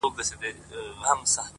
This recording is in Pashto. o د وخت ناخوالي كاږم؛